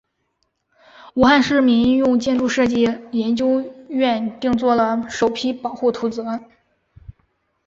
武汉市民用建筑设计研究院定做了首批保护图则。